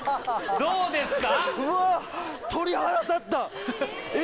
どうですか？